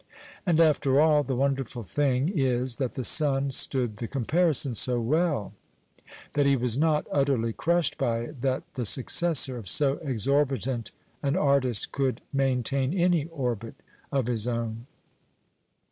... And, after all, the wonderful thing is that the son stood the comparison so well, that he was not utterly crushed by it — that the successor of so exorbitant an arlist could main tain any orbit of his own.